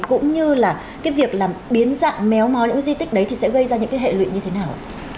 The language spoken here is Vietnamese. cũng như là cái việc làm biến dạng méo mó những cái di tích đấy thì sẽ gây ra những cái hệ luyện như thế nào